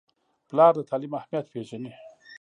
پلار د تعلیم اهمیت پیژني.